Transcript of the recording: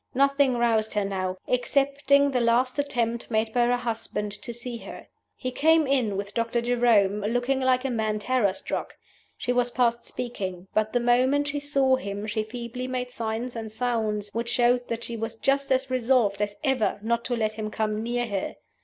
Nothing roused her now excepting the last attempt made by her husband to see her. He came in with Doctor Jerome, looking like a man terror struck. She was past speaking; but the moment she saw him she feebly made signs and sounds which showed that she was just as resolved as ever not to let him come near her.